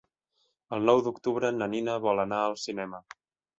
El nou d'octubre na Nina vol anar al cinema.